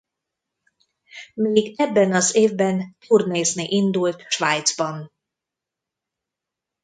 Még ebben az évben turnézni indult Svájcban.